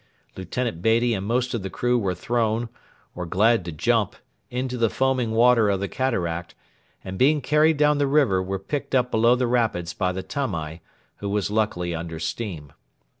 Lieutenant Beatty and most of the crew were thrown, or glad to jump, into the foaming water of the cataract, and, being carried down the river, were picked up below the rapids by the Tamai, which was luckily under steam.